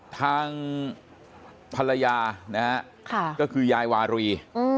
ทางภรรยานะฮะก็คือยายวารี